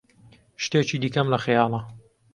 شتێکی دیکەم لە خەیاڵە.